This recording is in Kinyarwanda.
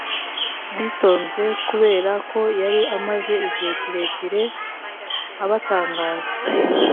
bitonze kubera ko yari amaze igihe kirekire abatangaza